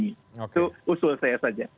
itu usul saya saja